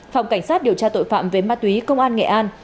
phòng cảnh sát điều tra tội phạm về ma túy công an nghệ an